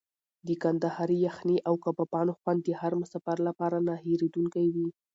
د کندهاري یخني او کبابونو خوند د هر مسافر لپاره نه هېرېدونکی وي.